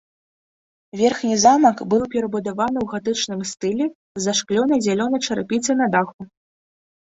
Верхні замак быў перабудаваны ў гатычным стылі з зашклёнай зялёнай чарапіцай на даху.